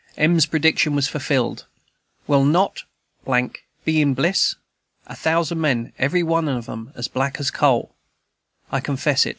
M 's prediction was fulfilled: "Will not be in bliss? A thousand men, every one as black as a coal!" I confess it.